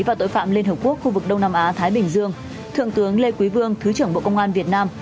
và tội phạm liên hợp quốc khu vực đông nam á thái bình dương thượng tướng lê quý vương thứ trưởng bộ công an việt nam